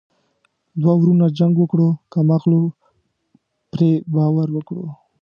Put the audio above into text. ـ دوه ورونو جنګ وکړو کم عقلو پري باور وکړو.